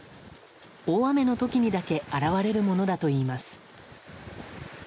大雨の時にだけ現れるものだといいます。